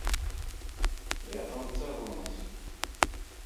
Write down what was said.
Я там цэглу насіла.